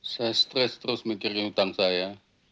saya stres terus mikirin hutang saya